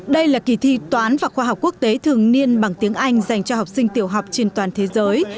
đây là kỳ thi toán và khoa học quốc tế thường niên bằng tiếng anh dành cho học sinh tiểu học trên toàn thế giới